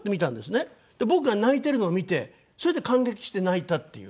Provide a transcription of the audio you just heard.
僕が泣いてるのを見てそれで感激して泣いたっていう。